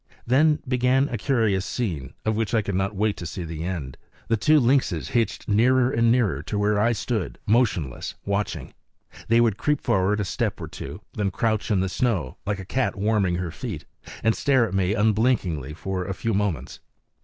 Then began a curious scene, of which I could not wait to see the end. The two lynxes hitched nearer and nearer to where I stood motionless, watching. They would creep forward a step or two, then crouch in the snow, like a cat warming her feet, and stare at me unblinkingly for a few moments.